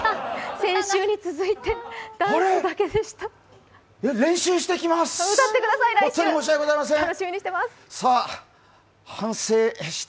先週に続いてダンスだけでした。